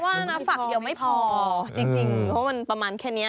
ว่านะฝั่งเดียวไม่พอจริงเพราะมันประมาณแค่นี้